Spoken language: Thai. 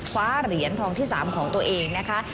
คว้าเหรียญทองที่๓ของตัวเองนะคะ